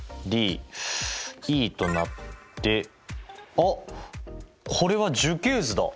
あっこれは樹形図だ！